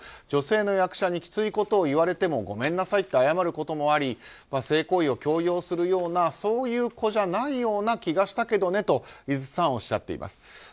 女性の役者にきついことを言われてもごめんなさいって謝ることもあり性行為を強要するようなそういう子じゃないような気がしたけどねと井筒さんはおっしゃっています。